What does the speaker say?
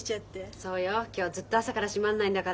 そうよ今日ずっと朝から締まんないんだから。